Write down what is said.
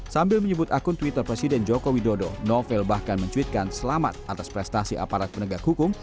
sambil menyebut akun twitter presiden joko widodo novel bahkan mencuitkan selamat atas prestasi aparat penegak hukum